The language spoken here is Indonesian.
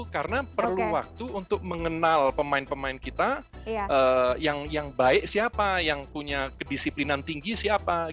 karena perlu waktu untuk mengenal pemain pemain kita yang baik siapa yang punya kedisiplinan tinggi siapa